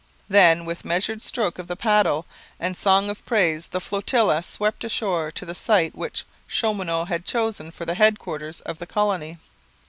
Then, with measured stroke of paddle and song of praise, the flotilla swept ashore to the site which Chaumonot had chosen for the headquarters of the colony.